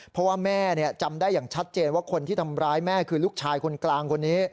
เพราะว่าแม่จำได้อย่างชัดเจนว่าคนที่ทำร้ายแม่คือลูกชายคนกลางคนนี้